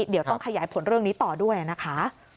เดี๋ยวต้องขยายผลเรื่องนี้ต่อด้วยนะคะ